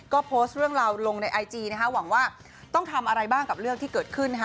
ก็โพสต์เรื่องราวลงในไอจีนะคะหวังว่าต้องทำอะไรบ้างกับเรื่องที่เกิดขึ้นนะคะ